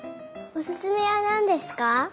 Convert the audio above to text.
おすすめはなんですか？